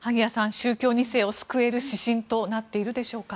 宗教２世を救える指針となっているでしょうか。